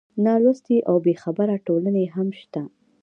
نالوستې او بېخبره ټولنې هم شته.